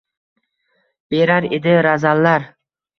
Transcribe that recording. Berar edi razallar.